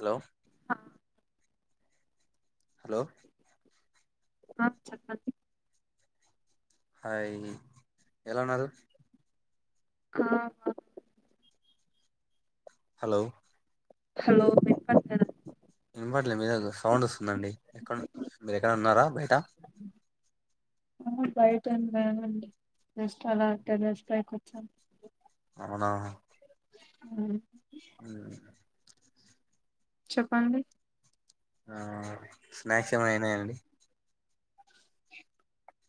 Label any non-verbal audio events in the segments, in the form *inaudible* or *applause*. Hello ఆ hello ఆ చెప్పండి హయి ఎలా ఉన్నారు ఆ బాగున్నా హలో హలో వినబడట్లేదా విన్బట్ల మీది దగ్గర ఏదో సౌండ్ వస్తుందండి ఎక్కడ మీరు ఎక్కడ ఉన్నారా బయట బయటున్నాండీ జస్ట్ అలా టెర్రస్ పైకి వచ్చాను అవునా అ హు చెప్పండి ఆ స్నాక్స్ ఏం అయినాయినయా అండి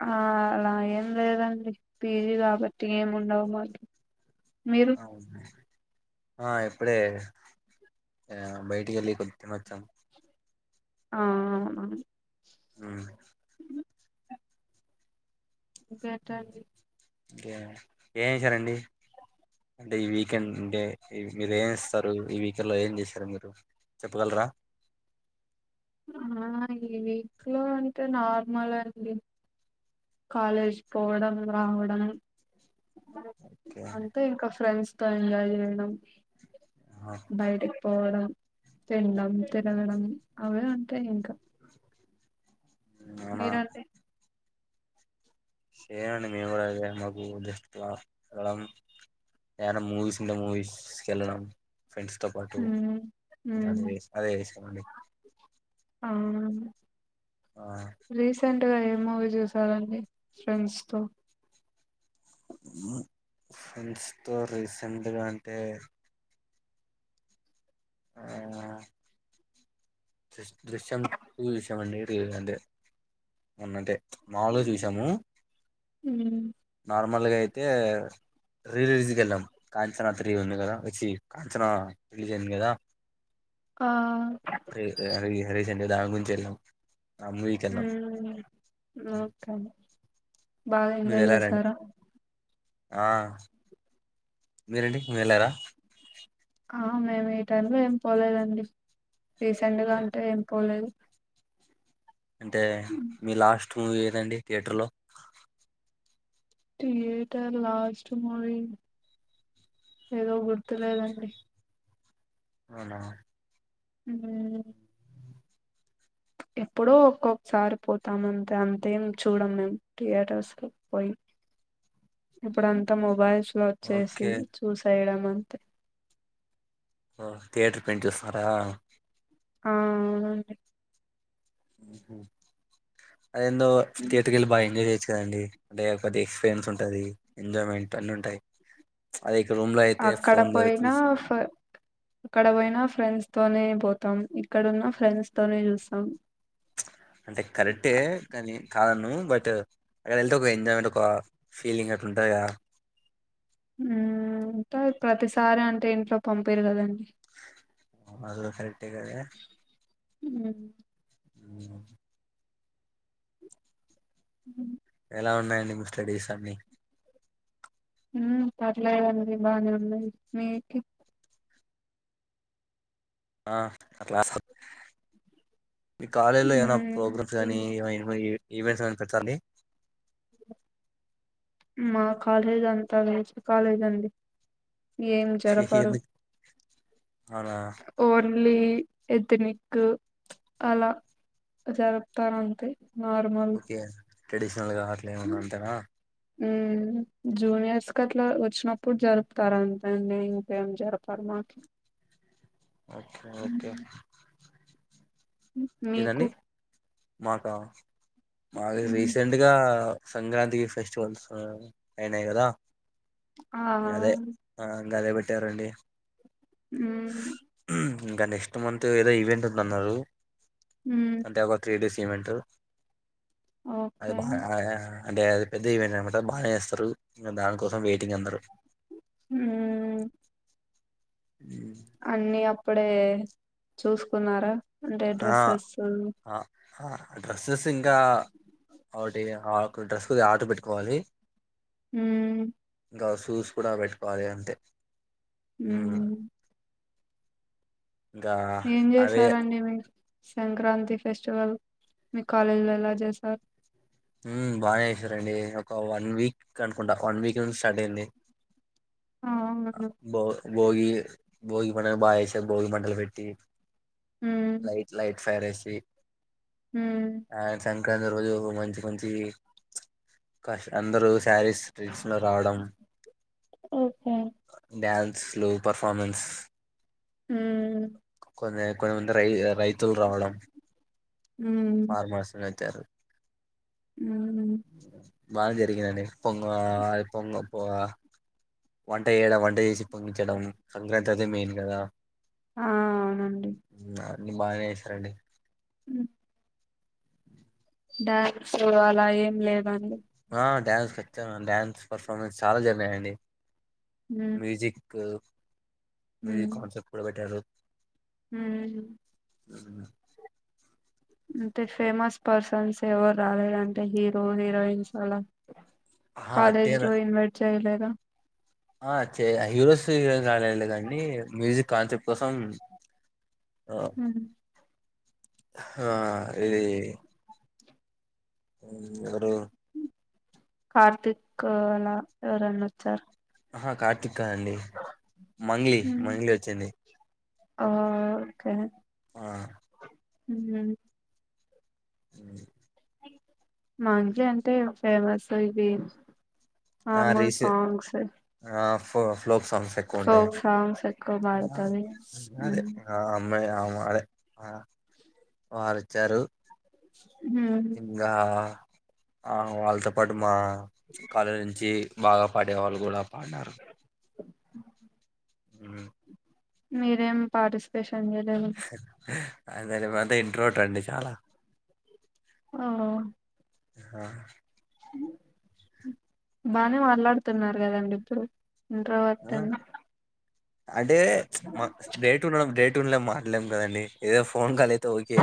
ఆ అలా ఏం లేదండి పీజీ కాబట్టి ఏమిండవు మాకి అవును ఆ ఇప్పుడే ఆ బయటికిల్లీ కొద్ది తినొచ్చాం ఆ అవునా హు ఇంకేంటండి ఇంకేం ఏం చేసారండి అంటే ఈ వీకెండ్ అంటే మీరు ఏం ఇస్తారు ఈ వీకెండ్ లో ఏం చేస్తారు మీరు చెప్పగలరా ఆ ఈ వీక్ లో అంటే నార్మల్ అండి కాలేజ్ పోవడం రావడం ఓకే అంతే ఇంకా ఫ్రెండ్స్ తో ఎంజాయ్ చేయడం ఆహా. బయటికి పోవడం తినడం తిరగడం అవే ఉంటాయి ఇంకా అవునా మీరండి చేనండి మేము కూడా చేయండి అదే మాకు జస్ట్ క్లాస్కేళ్ళడం ఏమాన్న మూవీస్ ఉంటే మూవీస్కి వెళ్ళడం ఫ్రెండ్స్ తో పాటు ఉమ్ ఇంకా ఉమ్ అదే అదే చేస్తామండి ఆ రీసెంట్ రీసెంట్ గా ఏం మూవీ చూసారాండి ఫ్రెండ్స్ తో ఫ్రెండ్స్ తో రీసెంట్గా అంటే ఆ దృశ్ దృశ్యం టు చూసాం అండి మొ న్నంటే మాములుగ దూసము ఉమ్ నార్మల్గా అయితే అయితే రిలీజ్కి వెళ్ళాం కాంచనా త్రీ ఉంది గా చి కాంచనా రిలీజ్ అయింది గాదా క నిన్న దానీ గుంరించి ఏల్లాం ఉ ఒకే బాగా మీరు ఎంజాయ్ వెళ్లారండి చేసారా ఆ మీరండి మీరు ఏళ్ళారా ఆ మేము ఈ టైమ్ లో ఏం పోలేదండి రీసెంట్ గా అంటే ఏం పోలేదు అంటే మీ లాస్ట్ మూవీ ఏదండి థియేటర్ లో థియేటర్ లాస్ట్ మూవీ ఏదో గుర్తులేదండి అవునా హ్ ఎప్పుడో ఒక్కొక్కసారి పోతాము అంతే అంతేం చూడం మేము థియేటర్స్ లో పోయి ఇప్పుడు అంతా మొబైల్స్ లో ఓకే వచ్చేసి చూసేయడం అంతే ఓ థియేటర్ ప్రింట్ చూస్తరా హా ఆవునండి హ్ హ్ అద ఎందో థియేటర్ వెళ్ళి బాగా ఎంజాయ్ చేయొచ్చు కథ కదండి అంటే ఒకటి ఎక్స్పీరియన్స్ ఉంటది ఎంజాయ్మెంట్ అన్ని ఉంటాయి అది అక్కడ పోయినా ఫ ఈక్కడ పోయినా ఫ్రెండ్స్ తోనే పో తం ఇక్కడ ఉన్న ఫ్రెండ్స్ తోనే చూస్తాం అంటే కరెక్టే కానీ కాద అనను్ బట్ అక్కడ వెళ్తే ఒక ఎంజాయ్మెంట్ ఒక ఫీలింగ్ అట్ల ఉంటదిగా హ్ అంటే ప్రతిసారి అంటే ఇంట్లో పంపియారు కదండి అది గుడ కరెక్ట్ కదా ఉమ్, హ్ ఉ ఎలా ఉన్నాయండి మీ స్టడీస్ అన్ని ఉ పర్లేదండి బాగానే ఉన్నాయి మీ కి ఆ అట్లా స్ మీ కాలేజ్ లో ఏమైనా ఉమ్, ప్రోగ్రామ్స్ గానీ ఏమన్నా ఈవెంట్స్ గాని పెడతారా అండి మా కాలేజ్ అంతా వెస్ట్ కాలేజ్ అండి ఏం జరపరు ఎందుకు అవునా ఓన్లీ ఎద్దనిక్ అలా జరుపుతారంతే నార్మల్ ట్రెడిషనల్గా అట్ల ఏమన్నా అంతేన ఉ జూనియర్స్ కి అట్లా వచ్చినప్పుడు జరుపుతారు అంతేండి ఇంకేం జరపరు మాకి ఓకే ఓకే మీకు ఏదండి మాకా మాది మ్మ్ రీసెంట్ గా సంక్రాంతి ఫెస్టివల్స్ అయినాయి కదా ఆ గదే పెట్టారండి ఉ ఇంకా నెక్స్ట్ మంత్ ఏదో ఈవెంట్ ఉందన్నారు మ్మ్ అంటే ఒక త్రీ డేస్ ఈవెంట్ అది ఓకే బాగా అంటే అది పెద్ద ఈవెంట్ అన్నమాట బానే చేస్తారు ఇగ దాని కోసం వే టింగ్ అందరం అన్నీ అప్ ప్పుడే చూసుకున్నారా అంటే ఆ డ్రస్సెసు ఆ ఆ డ్రెస్సెస్ ఇంకా ఒకటి ఆ ఒక డ్రస్ ది ఆర్డర్ పెట్టుకోవాలి ఉ ఇంకా షూస్ కూడా పెట్టుకోవాలి అంతే ఉ ఉమ్, ఇంకా ఏం అవే చేసారండి మీరు సంక్రాంతి ఫెస్టివల్ మీ కాలేజీలో ఎలా చేశారు ఉమ్ బాగానే చేసారండి ఒక వన్ వీక్ అనుకుంటా వన్ వీక్ నుంచి స్టార్ట్ అయ్యింది ఆ అ అవును బో భోగి భోగి పండగ బాగ చె భోగి మంటలు పెట్టి light light fire AC T హ *inaudible* ఇ రోజు ఒక మంచి కొంచి కష్ట అందరుూ శారీస్ లో రావడం ఓకే డ్యాన్స్ స్లో పర్ఫార్మెన్స్ హ కొ కొమ రై రై తులు రావడం మ్మ్ ఫార్మాస్ రారు *inaudible* మ్మ్ బాగా జరిగందండి పొంగ పొంగొ వంట చేయడం, వంట చేసి పొంగించడం సంక్రాంతి అదే మేయిన్ కదా. ఆ అవునండి *unintelligible* ని బానే చేసరండి అమ్ డ్యాన్సు అలా ఏం లేదం డ్యాన్స్ ఖచ్చతంగా డ్యాన్స్ పర్ఫార్మెన్స్ చాలా జరినాయండి. మ్మ్ మ్యూజక్ క మీ కన్సెప్ కూడ బఠా హ అ అంటే ఫేమస్ పర్సన్స్ ఎవరు రాలేద, అంటే హీరో హీరోయిన్స్ అలా ఆ కాలేజ్ అట్టేనా లో యూనివర్సిటీ చైలేద ఆ హీరోస్ గాల గండి మ్యూజిక్ కాంతిప్ కోసం ఆ మ్మ్ ఆ ఇది అ కార్తిక్ అలా ఎవరన్నా వచ్చారు. అహా కార్తిక్ ఇకా అండి మంగ్లీ మంగ్లీ వచ్చింది. ఆకే ఆ హ అ మంచి అంటే ఫేమస్ ఇది నార్మల్ సాంగ్స్ ఓ ఫోక్ సాంగ్స్ ఎక్కుఉంటాయి ఫోక్ సాంగ్స్ ఎక్కువ పాడుతది మ్మ్ అ *inaudible* మార్చారు. మ్మ్ ఇంకా ఆ వాళ్ళతో పాటు మా కాలేజీ నుంచి బాగా పాడే వాళ్ళు గుడా పాడినారు ఉమ్. మీరేం పార్టిస్పేషన్ అద ఇంట్రోవర్ట్ అండి చాలా ఓ ఆ బానే మాట్లాడుతున్నారు కదండి ఇద్దరు ఆ, ఇంట్రోవర్ట్ అని అంటే మా డేట్ ఉన్నడం డేట్ లో మాట్లేం కదండి ఏదో ఫోన్ కాల్ అయి తోకే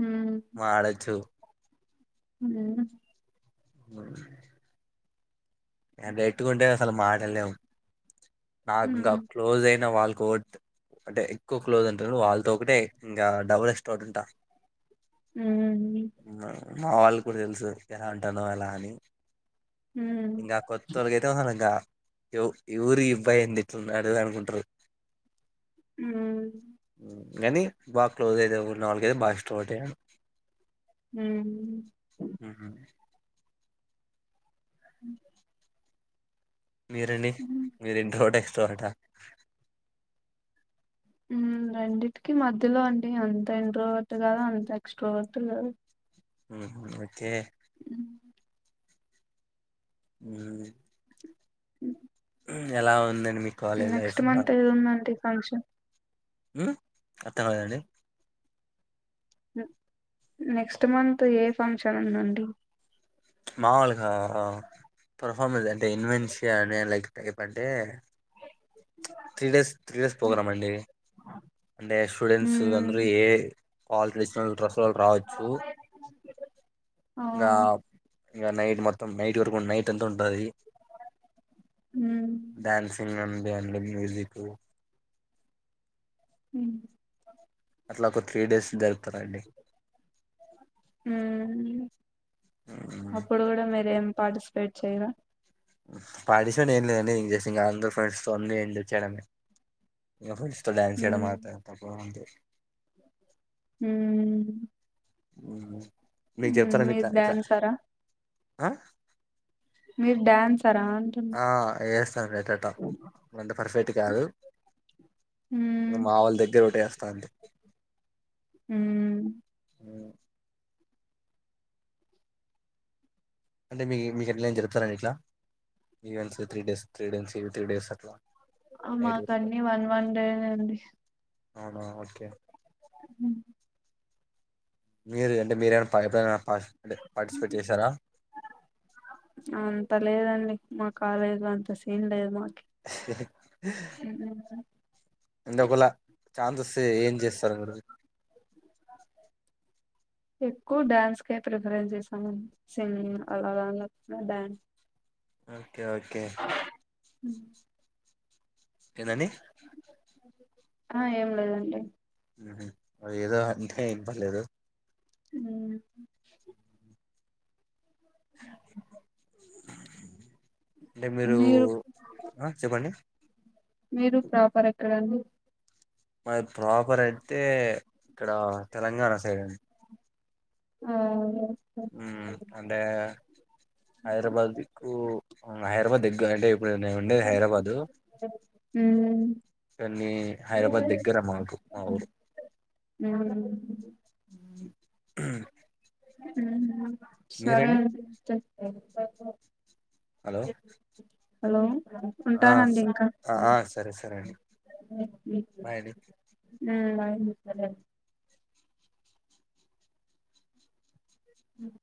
ఉమ్ మాడచ్చు *inaudible* బ వెత్తుకుంటే లు మాటల్ లేవ్ నాక్ ఉమ్ ఇంకా క్లోజ్ అయిన వాల్ కోట్ అంటే ఎక్కువ క్లోజ్ ఉంటరు. వాళ్ళతో ఒకటే ఇంకా డబల్ ఎక్స్ట్రోవర్ట్ ఉంటా హ్మ్ మ్ మా మా వాళ్ళక్ గుడా తెల్సు ఎలా ఉంటాంనో ఎలా అని ఉమ్ ఇంకా కొత్తోలకైతే *inaudible* ఏ ఊరు *inaudible* అడద అనుకుంటారు ఉమ్ హ్ కానీ బాక్లోజ్ అయితే నాలుగైతే బాగాస్టోడ్ మ్ మీరండి ఉమ్ మీర్ ఇంట్రోవర్టే క సో అట మ్ రెండింటికి మధ్యలో అండి అంత ఇంట్రోవర్ట్ కాదు అంత ఎక్స్ట్రో వర్ట్ కాదు. హ్ మ్ ఓకే ఉమ్ *unintelligible* ఎలా ఉంది నెక్స్ట్ మంత్ ఉందండి ఫంక్షన్ ఉమ్ అర్ధ *unintelligible* దండి నెక్స్ట్ మంత్ ఏ ఫంక్షన్ ఉందండి మాముూలుగా పర్ఫార్మెన్స్ అంటే ఇన్వెన్షియ అనే లైక్ టైప్ అంటే three days three days programme అండి అంటే స్టూడెంట్స్ అందురూ ఉమ్ ఏ కాల్ రీజినల్ డ్రెస్ తో వాళ్ళు రావచ్చు ఆ ఇంకా ఇంకా నైట్ మొత్తం నైట్ వరకు నైట్ అంత ఉంటది ఉమ్ డ్యాన్సింగ్ అం గ్యాంబ్లిన్ మ్యూజిక్ హ్మ్ అట్లా ఒక త్రీ డేస్ జరుపుతారండి అప్పుడు కూడా మే ఏం పార్టిసిపేట్ చేయరా పాడిసని *unintelligible* ఏం లేదండి ఇం *unintelligible* ఇంకా అందరు ఫ్రెండ్స్ తో అన్ని ఎంజాయ్ చెయడమే ఇంకా ఫ్రెండ్స్ డన్స్ చేయడం ఉమ్ మాత్ర *unintelligible* తప్ప అంటే మ్మ్ మ్మ్ మీరు డ్యాన్సరా ఆ మీరు డ్యాన్స్ ఆ వేస్తాను ఎట్టేటా ఇంత పర్ఫెక్ట్ కాదు హ్మ్ మా వాళ్ళ దగ్గర ఒకటేస్ తాంది మ్ ఉమ్ అంటే మీకు మీకెట్లైనా జరుపుతారండి ఇట్లా ఇ త్రీ డేస్ త్రీ డేస్ ఇవి త్రీ డేస్ అట్లా నైట్ వరకు మాకన్ని వన్ వన్ డే నే అండి అవునా ఓకే హ్మ్ మీరు అంటే మీరేనా పైపైన *unintelligible* టే పార్టిసిపేట్ చేశారా అంతా లేదండి మా కాలేజ్ లో అంత సేన్ లేదు మ్మ్. ఎందుకుల ఛాన్స్ ఒస్తే ఏం చేస్తారు మీరు ఎక్కువ డ్యాన్స్కే ప్రిఫరెన్స్ చేసాము సింగింగ్ అలా డ్యాన్స్ ఓకే ఓకే హుమ్ ఎందండి ఆ ఏం లేదండి ఏదో అంటే ఏం పర్లేదు ఊ అంటే మీరు ఆ చెప్పండి మీరు ప్రాపర్ ఎక్కడండి మాది ప్రాపర్ అయితే ఇక్కడ తెలంగాణ సైడ్ అండి ఆ *inaudible* అంటే హైదరాబాద్ దిక్కు హైదరాబాద్ దగ్గర అంటే ఇప్పుడు నేను ఉండేది. హైదరాబాదు హ్మ్ కొన్ని హైదరాబాద్ దగ్గర మాకు మా ఊరు. హ్మ్ ఆ *unintelligible* ఉ హు సరే అండిస్త ఎంత వస్తాద్ హలో హలో ఆ ఉంటానండి ఇంకా ఆ సరే సరే అండి బాయ్ అండి ఉ అయింది సరే ఉ